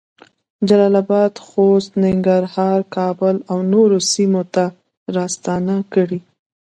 جلال اباد، خوست، کندهار، کابل اونورو سیمو ته راستنه کړې